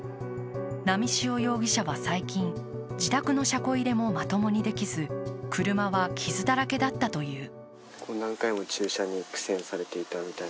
波汐容疑者は最近、自宅の車庫入れもまともにできず車は傷だらけだったという。